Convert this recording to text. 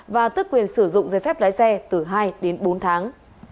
và tức quyền sử dụng dây phép lái xe từ hai đến bốn tháng